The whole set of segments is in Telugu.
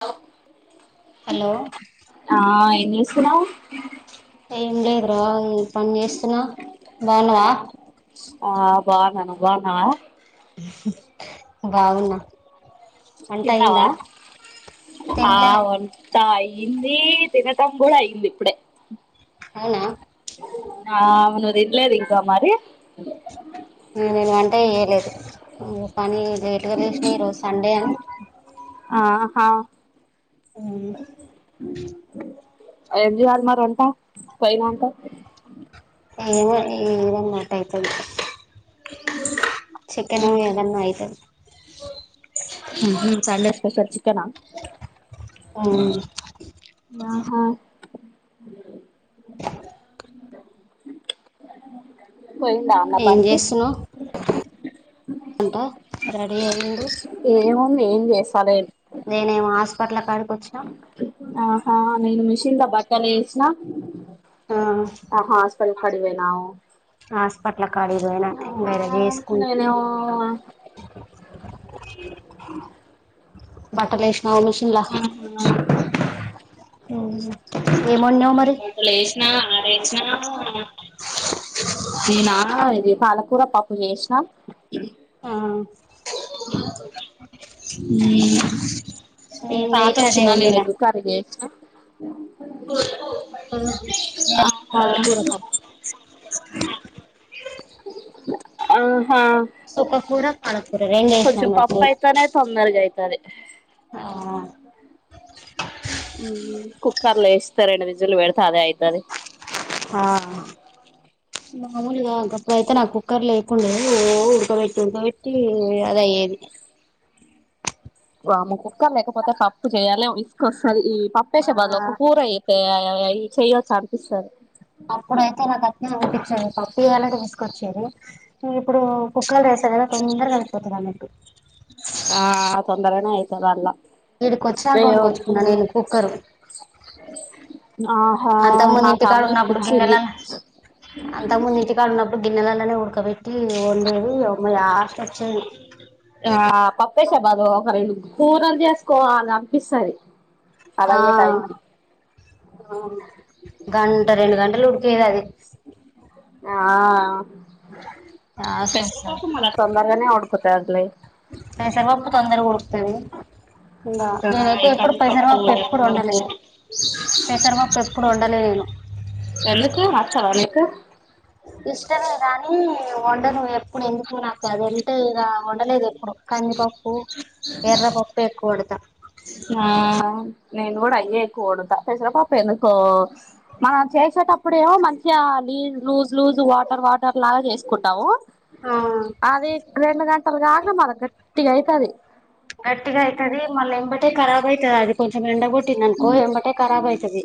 లో హలో ఏం చేస్తున్నావ్ ఏం లేదు రా ఈ పని చేస్తున్నా బాన్నావా ఆ బాగున్నాను నువ్వు బాగున్నావా బాగున్నా వంట అయిందా తిన్నావా తినలే ఆ వం టా అయింది తినటం కూడా అయియంది ఇప్పుడే అవునా ఆ నువ్వు తినలేదు ఇంకా మరి ననువంటే చేయలేదు నువ్వు కానీ లేట్గా లేసినాయి ఈ రోజు సండే అని ఆహా ఆ ఏం చేస్తున్నారు అంట పైన అంట ఏమో ఏదన్న ఒకటి అయితది చక్కెన్ ఏదన్నా అయితది ఉహు సండే స్పెషల్ చికెన్ ఆవునూ ఆ పోయిందా అమ్మ పనికి అంటా రెడీ అయింది ఏముంది ఏం చేస్తాల నేనేమో హాస్పటల్ కాడికి వచ్చిన ఆహా నేను మిషిన్ లో బట్టల ఏసిన ఆహా హాస్పిటల్ కడివేనా హాస్పటల్ కాడకపోయినా వేసుకొని నేనేమో బట్టలేసినావా మిషన్లో ఏం వండినావు మరి నా రెచ్చిన నిన్న ఇది పాల కుర్ర పప్పు చేసిన ఆ ఇంకా నేను తాత నైట్ అదే వచ్చినా వండినా ఎగ్ కర్రీ చేసినా ఏ పాలకూర పప్పు ఆ చుక్కకూర పాన్ కొంచెం పప్పు అయితనే తొందరగా అయితే తది కుక్కర్లో వేస్తే రెండు విజిల్లు కడితే అదే అయితది ఆ మామూలుగా కప్పుడుయితే నాకు కుక్కర్ లేకుండే ఉడకబెట్టి ఉడకబెట్టి అది ఏది వామ్మో కుక్కర్ లేకపోతే పప్పు చేయ్యాలి ఇసుకొస్తంది ఈ ఆ పప్పేసే బాదులో ఒక కూర అయిపోయా అ చెయొచ్చు అనిపిస్తాదీ అప్పుడైతే నాకు అట్నే అనిపించేది పప్పు చేయాలంటే విసుకు వచ్చేది ఇప్పుడు కుక్కర్లో ఏసా కదా తొందరగా అయిపోతుంది అన్నట్టు ఆ తొందరనే ఆయితారు అలా ఈడికి వచ్చాక కొనకొచ్చుకున్నా నేను కుక్కరు ఆహా అంత ముందు నాకు ఇంటి కాడ అమ్మ ఉన్నప్పుడు గిన్నెల ఇప్పించింది అంతా ముందుంటి కాడ ఉన్నప్పుడు గిన్నెలలోనే ఉడుకబట్ ఉండేవి ఉమ ఆస్ వచ్చేది ఆ పప్పేసా బాబు ఒక రెండు కూరలు చేసుకోవాల అనిపిస్తది అది ఆ అయ్యే టైంకి గంట రెండు గంటలు ఉడికయత్తి అది ఆ లాస్ట్ పెసర వస్తది పప్పు మళ్ల తొందరగానేడు కొట్టారులే పెసరపప్పు తొందరగ ఉడకుతది ఇంగ ఆ నేనైతే ఈ ఎప్పుడు కందిపప్పు పెసరపప్పు ఎప్పుడు వండలే మినపప్పు పెసరపప్పు ఎప్పుడు వండలే నేను వెళ్ళచ్చావా ఎందుకు మచ్చాల ఎందుకు ఇష్టమే కాని వండను ఎప్పుడు ఎందుకు నాకు అది అంటే ఇగ వండలేదు ఎప్పుడు కందిపప్పు ఎర్రపప్పు ఎక్కువ పెడతాం ఆ నేను కూడా అయ్యే ఎక్కువ వండుతా పెసరపప్పు ఎందుకో మ చేసేటప్పుడేమో మంచిగా లీజ్ లూజ్ లూజ్ వాటర్ వాటర్ లాగా చేసుకుంటావు అది రెండు గంటలుగాగమరి గట్టిగ అయితది గట్టిగా అయితది మళ్ళీ ఎంబటే ఖరాబ్ అయితది అది కొంచం ఎండగొట్టింది అనుకో ఎంబటేఖరాబ్ అయితది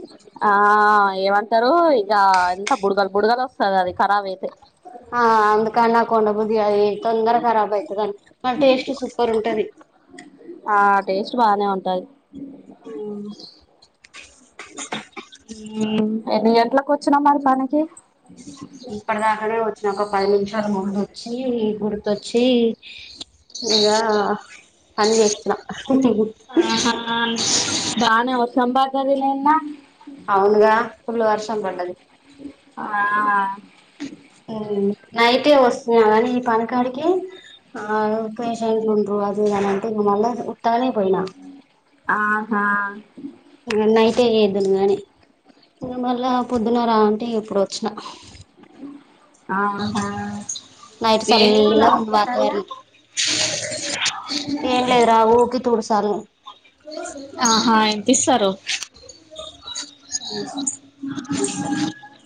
ఏమంటరు ఇంక ఎంత బుడగలు బుడగలు వస్తది అది రాబ్ అయితే ఆ అందుకని నాకు ఉండబుద్ది ఇది అది తొందర కరాబ్ అవయితది అని మన టేస్ట్ సూపర్ ఉంటది ఆ టేస్ట్ బానే ఉంటది ఓ ఎన్ని గంట్లలకు వచ్చిన మరి పనికి ఇప్పటి దాకానే వచ్చిన ఒక పది నిమిషాల ముందు వచ్చి గుర్తొచ్చి ఇగా పని చేస్తున్న ఆహా బానే వర్షం బాగాది లేన్న అవునుగా ఫుల్ వర్షం పడ్దది ఆ నైతేే వస్తున్నావ నీ పనికాడికి ఆ పేషెంట్ ఉండరు అది ఇది నంట ఇంగ మళ్ళ ఉట్టాలే పోయినా ఆహా అ ఏదునుగాని మళ్ళ పొద్దునారా అంటే ఇప్పుడు వచ్చిన ఆహా నైట్ ఏమిలా చల్లగ ఉంది హాస్పిటల్లా వాతావరన ఏం లేదురా ఊకి తుడుసాలని ఆహా ఎంతిస్తారు నిర్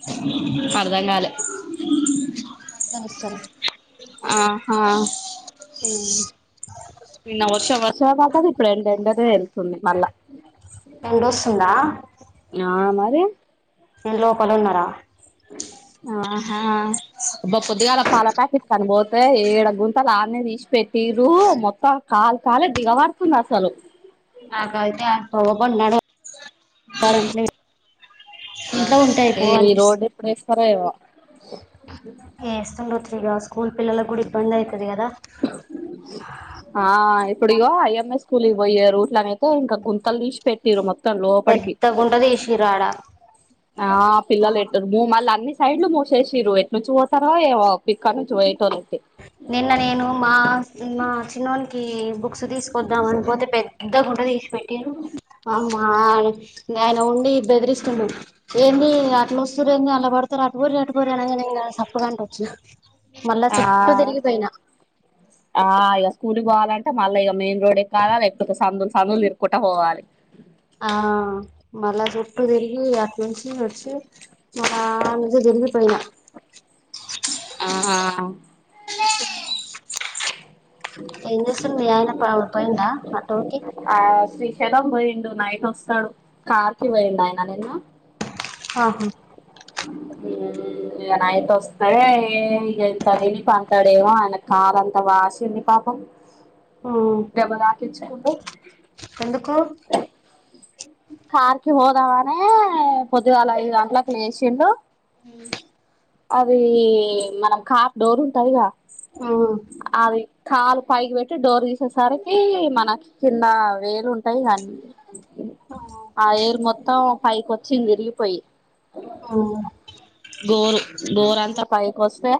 అర్ధం కాలే వస్తారా ఆహా ఆ ఇన్న వర్ష వర్ష పాటది ఇప్పుడు ఎండ ఎండదే వెళ్తుంది మళ్ళా ఎండ వస్తుందా ఆ మరి ఇంటి లోపలు ఉన్నార ఆహాబ్బ పొద్దిగాల పాల ప్యాకెట్ కని పోతే ఏడ గుంతలు డినే తీసిపోయి తీరు మొత్తం కాలు కాలే దిగబడుతుంది అసలు నాకయితే ఆ ప్రోబన్నాడు ఈ రోడ్ ఎప్పుడు వేస్తారో ఏమో ఏ ఇస్తండో ఇగా స్కూల్ పిల్లలకు కూడా ఇబ్బంది అవుతుది కదా ఆ ఇప్పుదూ ఇంగో అయ్య లి పోయారు ఇట్లా అయితే ఇంకా గుంతలు తీసి పెట్టిరు మొం లోపలికి పెద్ద గుంట తీసిర్రు ఆడ ఆ పిల్లలు ఎట్టారు మూ మళ్ళ ని సాడ్లు మూసేసిరు ఎట్లు నుచి పోతారో ఏమో పోయేతోలు నిన్న నేను మా మా చిన్నోనికి బుక్స్ తీసుకొద్దాం అని పోతే పెద్ద గుంట తీసి పెట్టిండ్రు ఆయన ఉండి బెదిరిస్తున్నాం ఏది అట్లా వస్తురూ ఏది అల పడుత అట్టుపోరి అట్టుపోరి అనగా ఇ సప్పు కంట వచ్చి మళ్ళా స ఆ ఇక స్కూల్కి పోవాలంటే మళ్ళా ఇక మెయిన్ రోడే ఎక్కల లేకపోతే సందులు సందులు తిరుకుంట పోవాలి ఆ మళ్ళా చుట్టూ తిరిగి అట్ నుంచి నచి మళ్ళ నుంచి ఇది పోయిన ఆహా ఆ ఏం చేస్తుండు మీ ఆయన పోయిండా ఆటో కి చద పోయిండు నైట్ వస్తాడు కార్ కి పోయిండు ఆయన నిన్న ఆహా ఉమ్ ఇంకా నైట్ వస్తాడ ఇగ ఎంతదని పంతాడేవ అయ మదంతా వాసింది పాపం [inaudible] దెబ్బ తాకించుకుండు ఎందుకు కార్కి పోదామనే పొద్దిదుగాల ఐదు గంటలకు లేచిండు అది మన కార్ డోర్ ఉంటాదిగా ఆ కాలు పైకి పెట్టి డోర్ తీసేసరికి మన కింద వేలు ఉంటాయి ఇన్ని ఆ వేలు మొత్తం పైకి వచ్చింది విరిగిపోంది ఆ గోరు గోరు అంతా పైకి వస్తే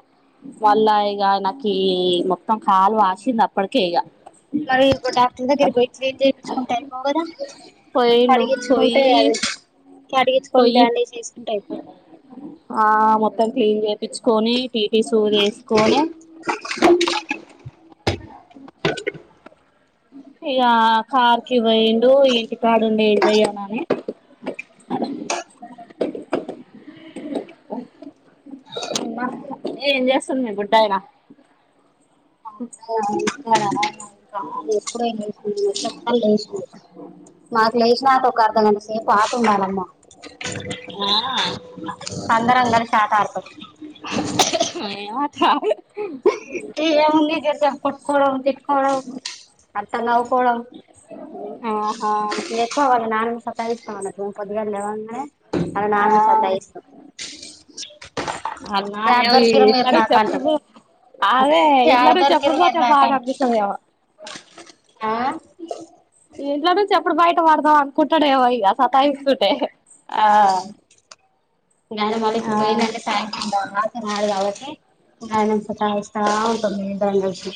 మళ్ళా ఇక ఆయనకి మొత్తం కాలు వాసింది అప్పటికే ఇక మరి డాక్టర్ దగ్గరికి పోయి క్లీన్ చేయిుకుంటారు అయిపో కదా పోయిండు కడిగించుకుంటే పోయి అది కడిగించుకొని పోయి బ్యాండేజ్ చేసుకుంటే అయిపో ఆ మొత్తం క్లీన్ చేయిపించుకుని టిటి సూదసుకోనే ఇక కార్ కి పోయిండు ఇంటికాడుండి ఏ చెయ్యానుని [inaudible] ఓ ఏం చేస్తుంది మీ బుట్టయన అ ఎప్పుడ లేసిక్క లేచంది మాకు లేచినక ఒక అర్ధం కంతసేపు ఆటంలమ్మ ఆ అందరం కలిసి ఆట ఆడుతాం ఏ మాట ఏముంది దుర్గా కోట్కోడం తిట్కోడం అంత నవ్వుకోడం ఆహా ఇంగ ఎక్కువ వాళ్ళ నాన్న ని సాతాయిస్తాన్నాడు పొద్దుగాల లెవ్వంగానే ఆళ్ల ఆ నాన్న ని సతాయిస్తుంది అన్నా యాడ దొరికిర్రు ఇట్ల మీర్ నుంచి నాకు అని ఎప్పుడు అంటడు పో అదే యాడ ఇంట్లో నుంచి ఎప్పుడు దొరికిర్రు మీర్ పోతే నాకు బాగా అంటడు అనిపిస్తదేమో ఆ ఇంట్లో నుంచి ఎప్పుడు బయట పడదాం అనుకుంటాడేవో ఇగ సతాయిస్తుంటే ఆ ఇంగ ఆయన మళ్ళీ ఇప్పుడు ఆ పోయిందంటే సాయ రాన్నారు కాబట్టి ఆయన ని సతాయిస్తుంది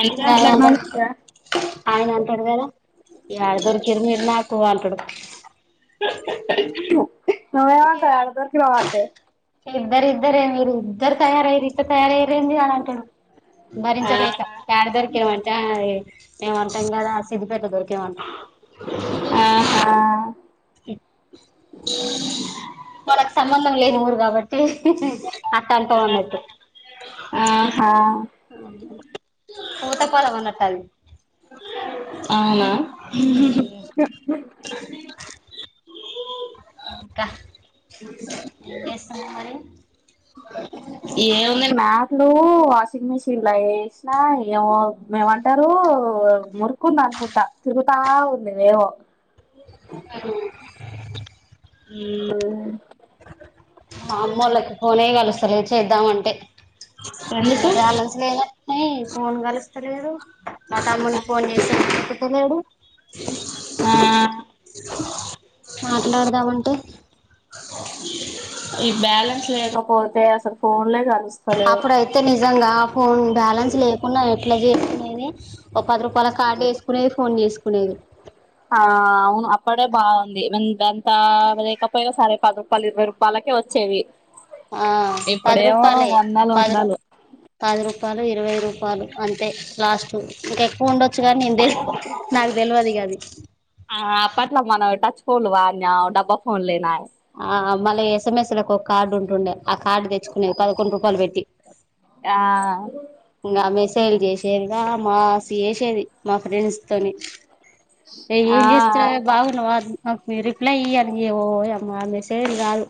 ఎన్ని ఇంగ ఆయన గంటలకు అంటడు నుంచి ఆయన అంటడు గాని యాడ దొరికిర్రు మీర్ నాకు కు అంటడు [inaudible] మేం అంటం యాడ దొరికినవ్ అని ఇద్దరు ఇద్దరే మీరు ఇద్దరు తయారయిర్రు ఇద్దరు తయారయిరెంది అని అంటడు ఆ భరించకలేక యాడ దొరికిరమంటే ఏమంటాం కదా సిద్ధిపేట దొరి కిం అంట ఆహా మనకు సంబంధం లేని ఊరు కాబట్టి అట్ట అంటం అన్నట్టు ఆహా ఉతకాలం అన్నట్టు అది అవునా ఇంకా ఏం [inaudible] మరి ఏముంది మ్యాట్లు వాషింగ్ మిషిన్ల ఏష్నా ఏమో మేమంటారు మురుకుందనుకుంటా తిరుగుతా ఉంది వేగం అ ఇల్లు ఎస్తలేదు చేద్దామంటే ఎందుకు ఎత్తలేడు మాతమ్మునికి ఫోన్ చేసి ఎత్తుత లేడు ఆ మాట్లాడదామంటే ఈ బ్యాలెన్స్ లేకపోతే అసలు ఫోన్లే కాదు అప్పుడయితే నిజంగా ఫోన్ బ్యాలెన్స్ లేకుండా ఎట్ల చే ఒక పది రూపాయల కార్డు వేసుకునేది ఫోన్ చేసుకునేది ఆ అవును అప్పుడే బాగుంది గంతా లేకపోయినా సరే పది రూపాయలు ఇరవై రూపాయలకే వచ్చేవి ఆ పది ఇప్పుడెమో రూపాయలే వందలు పది రూ వందలు పది రూపాయలు ఇరవై రూపాయలు అంతే లాస్ట్ ఇంకా ఎక్కువ ఉండ చ్చుగా నేను నాకు తెలువది గాది ఫోల్ వా డబ్బా ఫోన్లేనాయి ఆ మళ్ళీ ఎస్ఎంఎస్ లకు ఒక కార్డ్ ఉంటుండే ఆ కార్డు తెచ్చుకునేది పదకొండు రూపాయలు పెట్టి ఆ ఇంగ ఆ మెసేజ్లు చేసేదిలే మాసి చేసేది మా ఫ్రెంస్ తోని ఆ ఏం చేస్తార బాగున్నావు నాకు మీ రిప్లై ఇయ్యాలి ఇయ ఓయమ్మ ఆ మెసేజ్లు గాదు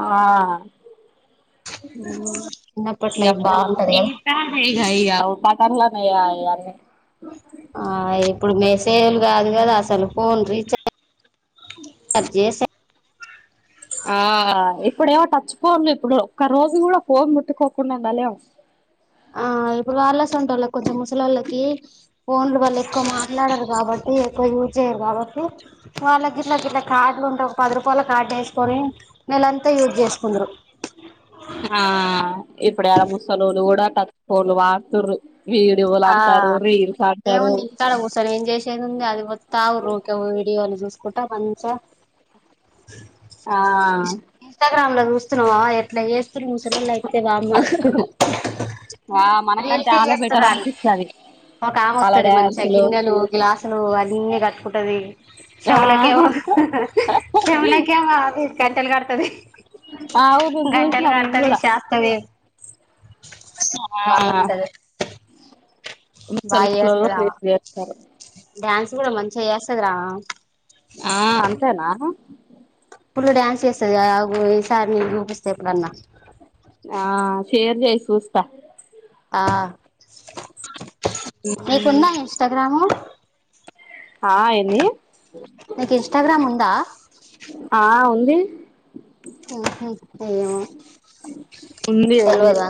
ఆ ఉ అప్పుడు ప పాటలా న అ సేలు గాదు కదా అసలు ఫోన్ రీచార్జ్ రీజ్ చేస ఆ ఇప్పుడేమో టచ్ ఫోన్లు ఇప్పుడు ఒక్క రోజు కూడా ఫోన్ ముట్టుకోకుండా ఉండలేం ఆ ఇప్పుడు వాళ్ళస్ ఉంటల కొంచెం ముసలి వాళ్ళకి ఫోన్లు వాల్ల ఎక్కువ మాట్లాడరు కాబట్టి ఎక్కువ యూజ్ చేయ్యరు కాబట్టి వాళ్ళకి ఇట్లా గిట్లా కార్డులు ఉండవ్ ఒక పది రూపాయల కార్డు వేసుకొని నెలంతా యూజ్ చేసుకుందరు ఆ ఇప్పుడు యాడ కూసోల్లావులు కూడా తత్పోలు వార్తురు ఎవలో ఆ అంటారు రీల్స్ ఏముంది ఇంతగుసలు ఏం చేసేది ఉంది అది పోత్తవురికే వీడియోలు చూస్ కుంట మంచిగ ఆ చూస్తున్నావా ఎ ఇట్లా చేస్తూరు ముసటిలు అయితే బా అమ్మ ఆ మనకంటే రీల్సే ఆళ్ళే బెటర్ చేస్తున్నారు అనిపిస్తది ఒక ఆమె వాళ్ళ వస్తది మంచిగా డ్యాన్సులు గిన్నెలు గ్లాసులు అన్ని కట్టుకుంటది ఆ చెవులకి ఏమో శౌలకి ఏమో అవి గంటేలు కడ్తది అవును గంటలు చూసిన నేను గడతది కూడా ఆ బాగ ముసలోళ్లలో చేస్తది అవా రేప్ చేస్తారు డ్యాన్స్ కూడా మంచిగ చేస్తది రా ఆ అంతేనా ఈ సారి నేన్ చూపిస్త ఎప్పుడన్నా ఆ షేర్ చేయి సూస్త ఆ నీకుంద ఇన్స్టాగ్రామ్ ఆ ఏంది నీకు ఇన్స్టాగ్రామ్ ఉందా ఆ ఉంది అహు ఏమో ఉంది ఉంది తెల్వదా